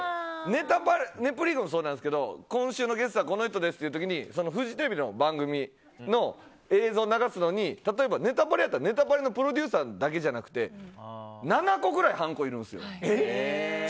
「ネプリーグ」もそうなんですけど今週のゲストはこの人ですっていう時にフジテレビの番組の映像を流すのに例えば、「ネタパレ」やったら「ネタパレ」のプロデューサーだけじゃなくて７個くらいハンコがいるんですよ。